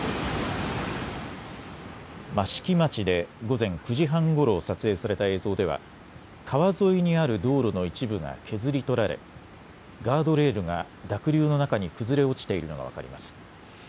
益城町で午前９時半ごろ撮影された映像では川沿いにある道路の一部が削り取られガードレールが濁流の中に崩れ落ちているのが分かります。